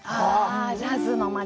ジャズの街。